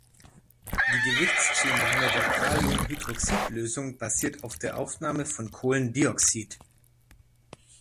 Die Gewichtszunahme der Kaliumhydroxid-Lösung basiert auf der Aufnahme von Kohlendioxid.